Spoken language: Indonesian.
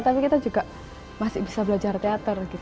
tapi kita juga masih bisa belajar teater